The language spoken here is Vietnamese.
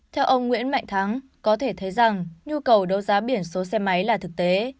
theo ông nguyễn mạnh thắng có thể thấy rằng nhu cầu đấu giá biển số xe máy là thực tế